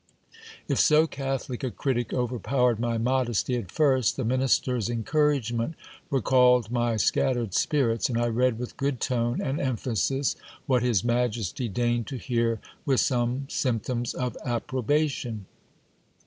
If so catholic a critic overpowered my modesty at first, the ministers encouragement recalled my scattered spirits, and I read with good tone and emphasis what his majesty 286 GIL BLAS. deigned to hear with some symptoms of approbation.